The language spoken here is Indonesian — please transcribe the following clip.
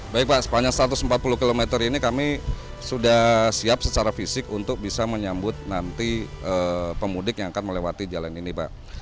baik pak sepanjang satu ratus empat puluh km ini kami sudah siap secara fisik untuk bisa menyambut nanti pemudik yang akan melewati jalan ini pak